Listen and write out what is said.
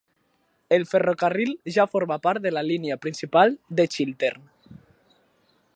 El ferrocarril ja forma part de la línia principal de Chiltern.